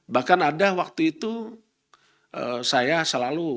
bahkan ada waktu itu saya selalu